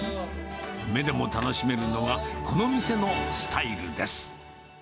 目でも楽しめるのが、この店のスタイルです。